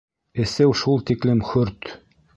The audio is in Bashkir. Эсеү шул тиклем хөрт.